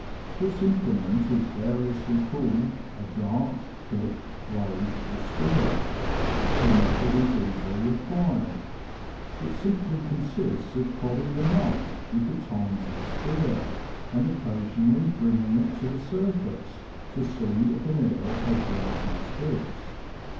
This implement is variously called a dart, pick, glave, or spear. The method is easily acquired. It simply consists of prodding the mud with the tines of the spear, and occasionally bringing it to the surface to see if an eel has been transfixed.